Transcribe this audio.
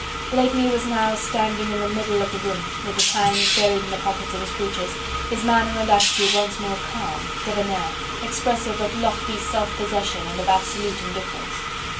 Blakeney was now standing in the middle of the room, with his hands buried in the pockets of his breeches, his manner and attitude once more calm, debonnair, expressive of lofty self possession and of absolute indifference.